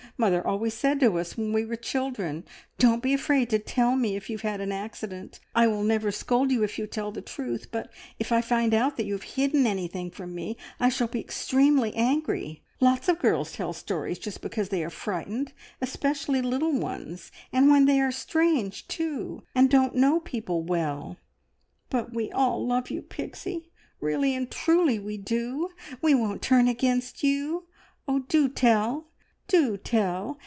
Mother always said to us when we were children, `Don't be afraid to tell me if you've had an accident. I will never scold you if you tell the truth, but if I find out that you have hidden anything from me I shall be extremely angry.' Lots of girls tell stories just because they are frightened, especially little ones, and when they are strange, too, and don't know people well. But we all love you, Pixie, really and truly we do! We won't turn against you. Oh, do tell! Do tell!